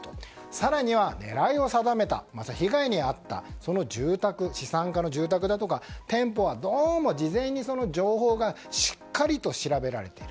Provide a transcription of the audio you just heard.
更には、狙いを定めた被害に遭ったその住宅、資産家の住宅だとか店舗は、どうも事前に情報がしっかりと調べられている。